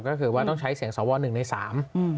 ก็คือว่าต้องใช้เสียงสวหนึ่งในสามอืม